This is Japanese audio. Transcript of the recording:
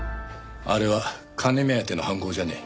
あれは金目当ての犯行じゃねえ。